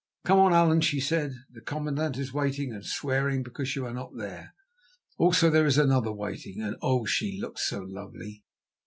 "Come on, Allan," she said, "the commandant is waiting and swearing because you are not there. Also, there is another waiting, and oh! she looks lovely.